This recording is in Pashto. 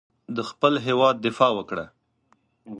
د خپل هېواد دفاع وکړه.